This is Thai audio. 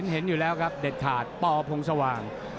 เห็นอยู่แล้วครับเด็ดขาดปพงสว่าง